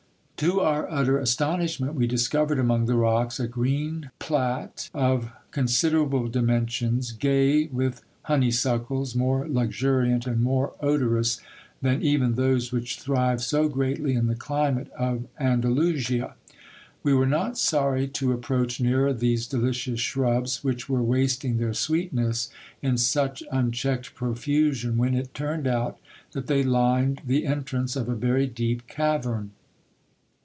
To our utter astonishment, we discovered among the rocks a green plat of considerable dimensions, gay with honeysuckles more luxuriant and more odorous than even those which thrive so greatly in the climate of Andalusia. We were not sorry to approach nearer these delicious shrubs, which were wasting their sweetness in such unchecked profusion, when it turned out that they lined the entrance of a very deep cavern.